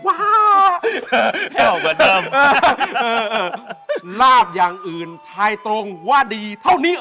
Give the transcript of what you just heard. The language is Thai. ว้าแค่เหาะกับดำเออเออเออลาบอย่างอื่นทายตรงว่าดีเท่านี้